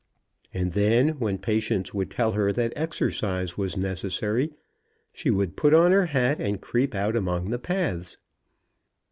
And then, when Patience would tell her that exercise was necessary, she would put on her hat and creep out among the paths.